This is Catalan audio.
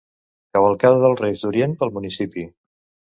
Cavalcada dels Reis d'Orient pel municipi.